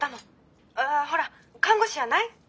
ああほら看護師やない？